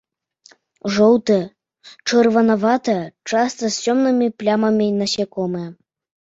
Жоўтыя, чырванаватыя, часта з цёмнымі плямамі насякомыя.